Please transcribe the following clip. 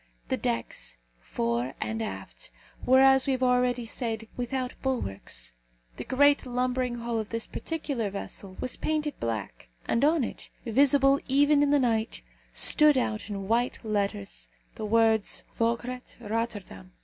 The decks, fore and aft, were, as we have already said, without bulwarks. The great lumbering hull of this particular vessel was painted black, and on it, visible even in the night, stood out, in white letters, the words, Vograat, Rotterdam.